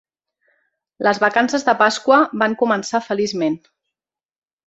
Les vacances de Pasqua van començar feliçment.